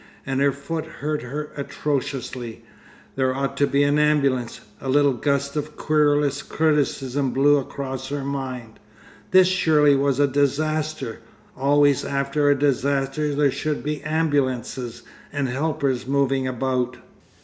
And her foot hurt her atrociously. There ought to be an ambulance. A little gust of querulous criticisms blew across her mind. This surely was a disaster! Always after a disaster there should be ambulances and helpers moving about....